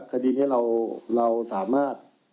คดีนี้เราสามารถ